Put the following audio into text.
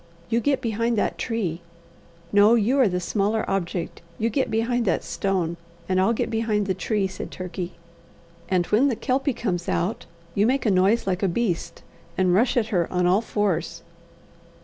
"You get behind that tree no, you are the smaller object you get behind that stone, and I'll get behind the tree," said Turkey; "and when the Kelpie comes out, you make a noise like a beast, and rush at her on all fours."